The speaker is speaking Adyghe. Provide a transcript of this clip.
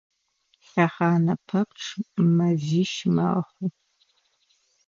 Лъэхъанэ пэпчъ мэзищ мэхъу.